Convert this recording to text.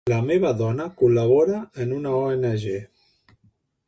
La meva dona col·labora en una ONG.